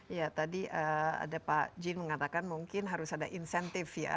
iya tadi ada pak jin mengatakan mungkin harus ada insentif ya